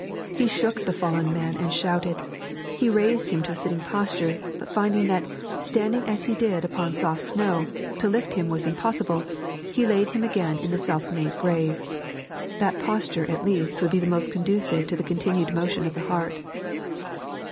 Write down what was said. He shook the fallen man and shouted. He raised him to a sitting posture, but finding that, standing as he did upon soft snow, to lift him was impossible, he laid him again in the self made grave. That posture at least would be most conducive to the continued motion of the heart.